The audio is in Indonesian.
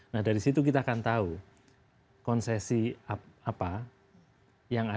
nah dari situ kita akan tahu konsesi apa yang ada di misalnya di kubah gambut